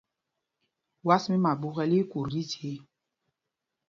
Was mí Maɓúkɛ̌l í í kut tí zye.